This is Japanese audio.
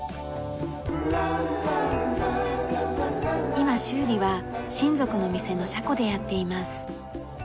今修理は親族の店の車庫でやっています。